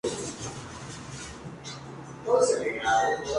Su salud se deterioró rápidamente durante su detención.